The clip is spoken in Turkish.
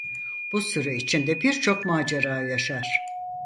Bu süre içinde birçok macera yaşar.